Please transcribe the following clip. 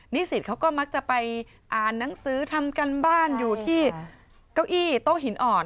สิทธิ์เขาก็มักจะไปอ่านหนังสือทำการบ้านอยู่ที่เก้าอี้โต๊ะหินอ่อน